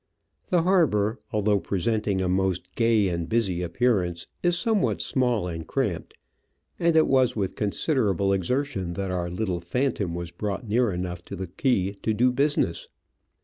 The harbour, although presenting a most gay and busy appearance, is somewhat small and cramped, and it was with considerable exertion that our little Phxntom was brought near enough to the quay to do business.